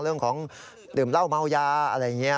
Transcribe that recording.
เรื่องของดื่มเหล้าเมายาอะไรอย่างนี้